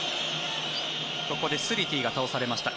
ここでスリティが倒されました。